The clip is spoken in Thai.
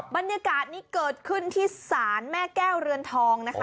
บรรยากาศนี้เกิดขึ้นที่ศาลแม่แก้วเรือนทองนะคะ